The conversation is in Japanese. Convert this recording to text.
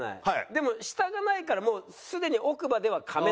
でも下がないからもうすでにそうです